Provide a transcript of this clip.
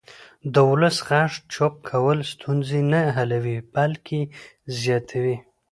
د ولس غږ چوپ کول ستونزې نه حلوي بلکې یې زیاتوي